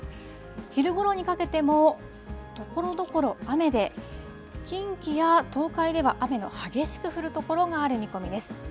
昼ごろにかけてもところどころ、雨で、近畿や東海では雨が激しく降る所がある見込みです。